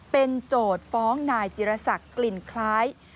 เป็นโจทย์ฟ้องนายจิรษักกลิ่นคล้าย